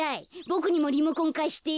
ボクにもリモコンかして。